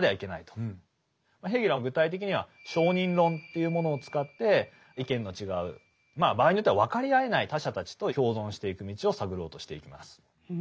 ヘーゲルは具体的には承認論というものを使って意見の違う場合によっては分かり合えない他者たちと共存していく道を探ろうとしていきます。